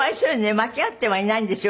間違ってはいないんですよ